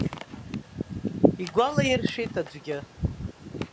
Игәалаиршәеит аӡәгьы.